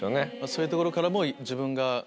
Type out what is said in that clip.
そういうところからも。